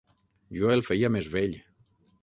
Jo el feia més vell.